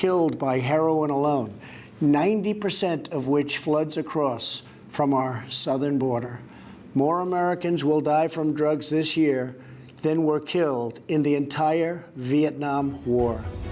และถูกฆ่าในประกันเวียดนามทั้งหมด